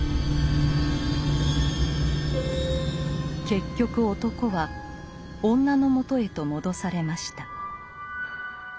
結局男は女の元へと戻されました。